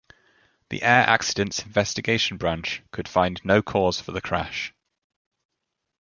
The Air Accidents Investigation Branch could find no cause for the crash.